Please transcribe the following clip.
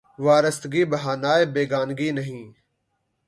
وارستگی بہانۂ بیگانگی نہیں